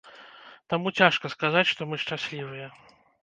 Таму цяжка сказаць, што мы шчаслівыя.